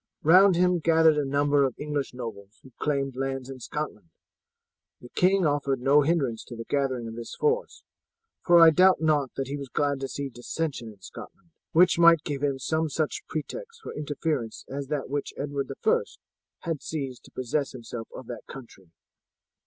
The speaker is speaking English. Round him gathered a number of the English nobles who claimed lands in Scotland. The king offered no hindrance to the gathering of this force, for I doubt not that he was glad to see dissension in Scotland, which might give him some such pretext for interference as that which Edward I had seized to possess himself of that country.